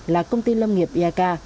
là công ty lâm nghiệp iak